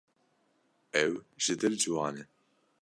Ew ji dil ciwan e.